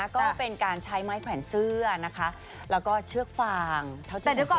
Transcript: ก็เป็นการใช้ไม้แขวนเสื้อนะคะแล้วก็เชือกฟางเท้าใจด้วยก่อน